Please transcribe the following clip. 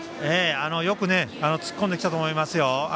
よく突っ込んできたと思いますよ。